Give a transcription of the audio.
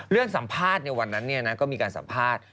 เรื่องสัมภาษณ์เนี่ยวันนั้นเนี่ยนะก็มีการสัมภาษณ์